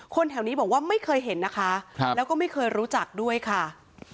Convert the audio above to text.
แถวนี้บอกว่าไม่เคยเห็นนะคะแล้วก็ไม่เคยรู้จักด้วยค่ะ